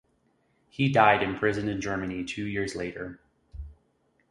He died imprisoned in Germany two years later.